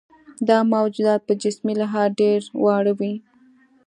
دا موجودات په جسمي لحاظ ډېر واړه وي.